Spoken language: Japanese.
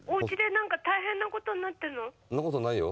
そんなことないよ。